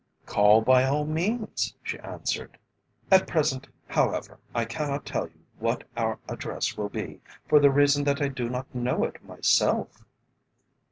"Call by all means," she answered. "At present, however, I cannot tell you what our address will be, for the reason that I do not know it myself."